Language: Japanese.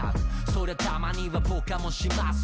「そりゃたまにはポカもします